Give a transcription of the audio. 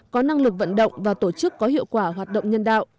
có năng lực vận động và tổ chức có hiệu quả hoạt động nhân đạo